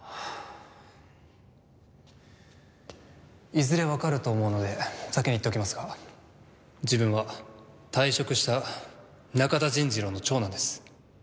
いずれわかると思うので先に言っておきますが自分は退職した中田善次郎の長男です。